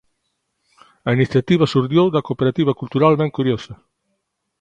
A iniciativa xurdiu da Cooperativa Cultural Ben Curiosa.